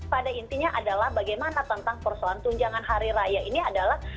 pada intinya adalah bagaimana tentang persoalan tunjangan hari raya ini adalah